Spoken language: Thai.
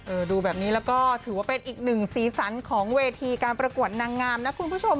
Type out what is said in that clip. ดูแบบนี้แล้วก็ถือว่าเป็นอีกหนึ่งสีสันของเวทีการประกวดนางงามนะคุณผู้ชม